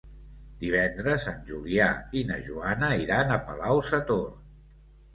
Divendres en Julià i na Joana iran a Palau-sator.